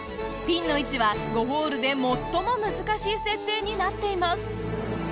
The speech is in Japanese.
ピンの位置は５ホールで最も難しい設定になっています。